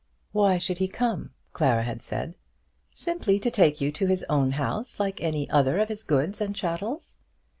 "Why should he come?" Clara had said. "Simply to take you to his own house, like any other of his goods and chattels."